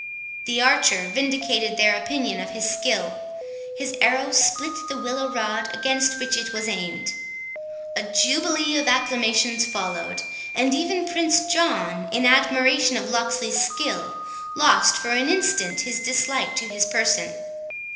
The archer vindicated their opinion of his skill: his arrow split the willow rod against which it was aimed. A jubilee of acclamations followed; and even Prince John, in admiration of Locksley's skill, lost for an instant his dislike to his person.